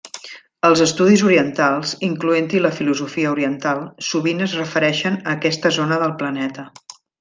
Els estudis orientals, incloent-hi la filosofia oriental, sovint es refereixen a aquesta zona del planeta.